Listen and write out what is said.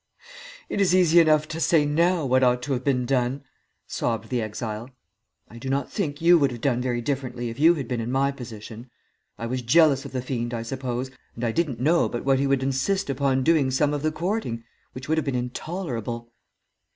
"It is easy enough to say now what ought to have been done," sobbed the exile. "I do not think you would have done very differently if you had been in my position. I was jealous of the fiend, I suppose, and I didn't know but what he would insist upon doing some of the courting which would have been intolerable."